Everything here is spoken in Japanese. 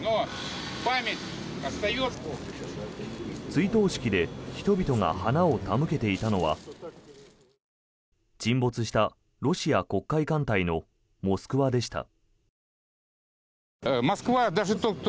追悼式で人々が花を手向けていたのは沈没したロシア黒海艦隊の「モスクワ」でした。